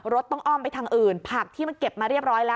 รถต้องอ้อมไปทางอื่นผักที่มันเก็บมาเรียบร้อยแล้ว